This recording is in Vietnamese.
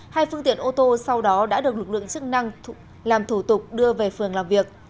hai phương tiện ô tô sau đó đã được lực lượng chức năng làm thủ tục đưa về phường làm việc